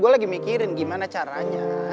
gue lagi mikirin gimana caranya